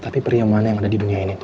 tapi pria mana yang ada di dunia ini